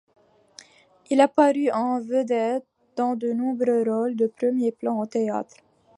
Il apparut en vedette dans de nombreux rôles de premier plan au théâtre.